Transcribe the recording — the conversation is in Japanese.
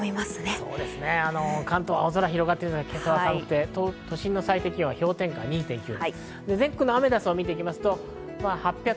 そうですね、関東は青空、広がっているんですが今朝は寒くて都心の最低気温は氷点下２．９度。